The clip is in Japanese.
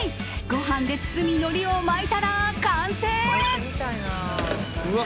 ご飯で包みのりを巻いたら完成。